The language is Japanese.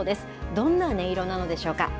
どんな音色なのでしょうか。